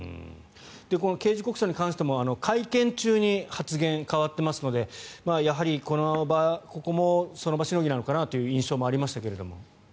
この刑事告訴に関しても会見中に発言が変わってますのでやはりここもここも、その場しのぎかなという印象もありましたが。